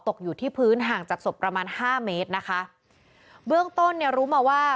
อยู่ที่พื้นห่างจากศพประมาณห้าเมตรนะคะเบื้องต้นเนี่ยรู้มาว่า